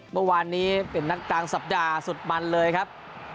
เมื่อวานนี้เป็นนักกลางสัปดาห์สุดมันเลยครับ